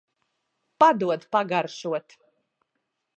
Padod pagaršot.